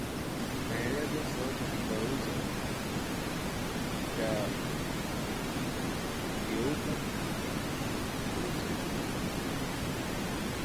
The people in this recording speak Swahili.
Maelezo: Sauti kikwaruzo sighuna cha ufizi hugeuka na kuwa kikwaruzo sighuna